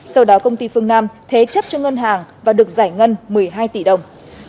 sau đó công ty phương nam thế chấp cho ngân hàng và được giải ngân một mươi hai tỷ đồng